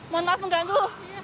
mohon maaf mengganggu